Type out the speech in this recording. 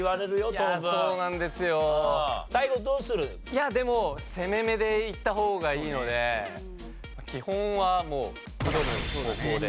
いやでも攻めめでいった方がいいので基本はもう挑む方向で。